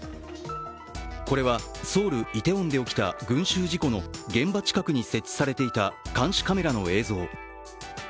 これはソウル・イテウォンで起きた群集事故の現場近くに設置されていた監視カメラの映像。